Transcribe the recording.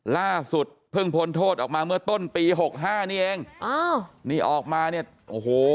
ล่าสุดเพิ่งพ้นโทษออกมาเมื่อต้นปีหกห้านี่เองอ้าวนี่ออกมาเนี่ยโอ้โห